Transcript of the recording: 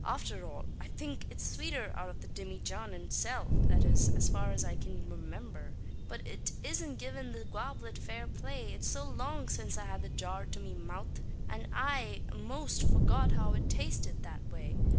"Afther all, I think, it's swater out av the dimmyjan itself, that is, as far as I cyan remimber. But it isn't givin' the gawblet fair play. It's so long since I had the jar to me mouth, that I a'most forget how it tasted that way.